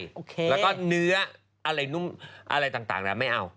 แล้วก็เนื้ออะไรต่างไม่เอา